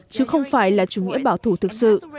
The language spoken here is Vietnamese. chứ không phải là chủ nghĩa bảo thủ thực sự